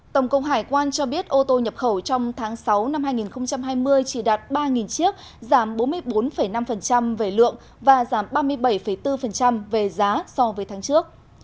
tổng cục hải quan cho biết ô tô nhập khẩu trong tháng sáu năm hai nghìn hai mươi chỉ đạt ba chiếc giảm bốn mươi bốn năm về lượng và giảm ba mươi bảy bốn về giá so với tháng trước